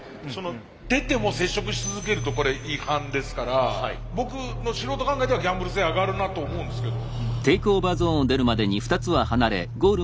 出ても接触し続けるとこれ違反ですから僕の素人考えではギャンブル性上がるなと思うんですけど。